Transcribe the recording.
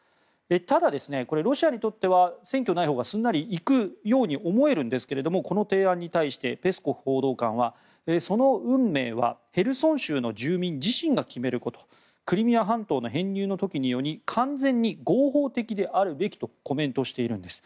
ただ、これはロシアにとっては選挙がないほうがすんなり行くように思えるんですけれどもこの提案に対してペスコフ報道官はその運命はヘルソン州の住民自身が決めることクリミア半島の編入の時のように完全に合法的であるべきとコメントしているんです。